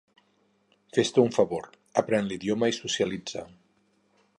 Fes-te un favor: aprèn l'idioma i socialitza.